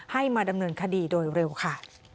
มาดำเนินคดีโดยเร็วค่ะ